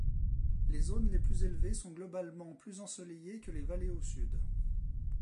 Les zones les plus élevées sont globalement plus ensoleillées que les vallées au sud.